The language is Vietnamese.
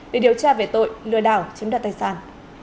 để điều tra về tội lừa đảo chiếm đoạt tài sản